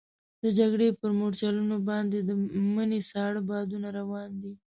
د جګړې پر مورچلونو باندې د مني ساړه بادونه روان دي.